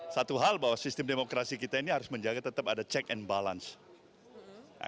satu hal bahwa sistem demokrasi kita ini harus menjaga tetap ada check and balance